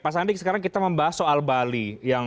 pak sandi sekarang kita membahas soal bali